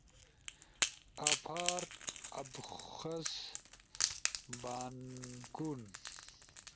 آفار، ابخز، بانکون